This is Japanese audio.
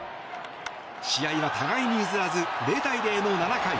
試合は互いに譲らず０対０の７回。